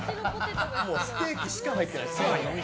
ステーキしか入ってないです。